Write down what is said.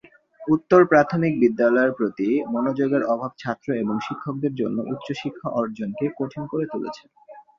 উত্তর-প্রাথমিক বিদ্যালয়ের প্রতি মনোযোগের অভাব ছাত্র এবং শিক্ষকদের জন্য উচ্চশিক্ষা অর্জনকে কঠিন করে তুলেছে।